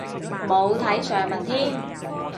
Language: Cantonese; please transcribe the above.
冇睇上文添